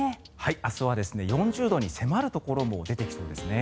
明日は４０度に迫るところも出てきそうです。